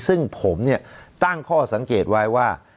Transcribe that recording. ซึ่งผมเนี่ยตั้งข้อสังเกตไว้ว่า